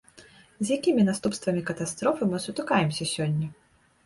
З якімі наступствамі катастрофы мы сутыкаемся сёння?